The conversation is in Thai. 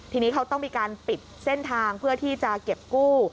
ทีนี้เขาต้องมีการปิดเส้นทางเพื่อที่จะเก็บกู้